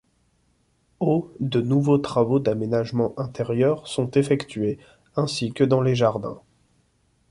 Au de nouveaux travaux d'aménagements intérieurs sont effectués ainsi que dans les jardins.